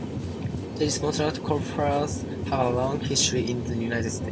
Church-sponsored coffeehouses have a long history in the United States.